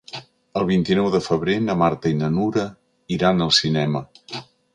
El vint-i-nou de febrer na Marta i na Nura iran al cinema.